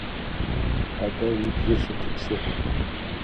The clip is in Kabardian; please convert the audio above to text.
АтӀэ, уи бгыр сыту псыгъуэ?